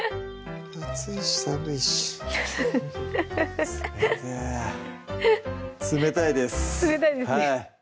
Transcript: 熱いし寒いし冷て冷たいです冷たいですね